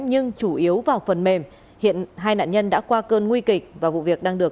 nhưng chủ yếu vào phần mềm hiện hai nạn nhân đã qua cơn nguy kịch và vụ việc đang được